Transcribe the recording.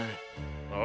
ああ。